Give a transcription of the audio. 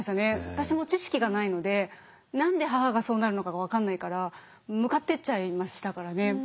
私も知識がないので何で母がそうなるのかが分かんないから向かっていっちゃいましたからね。